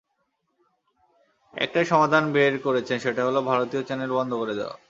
একটাই সমাধান বের করেছেন সেটা হলো, ভারতীয় চ্যানেল বন্ধ করে দেওয়া।